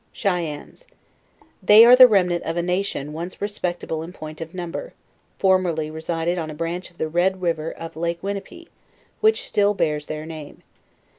CHYANNES. They arc the remnant of a nation once res pectable in point of number: fomrcrly resided on a branch of the Red river of Lake Winnipie, which still bears their name.